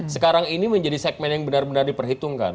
sekarang ini menjadi segmen yang benar benar diperhitungkan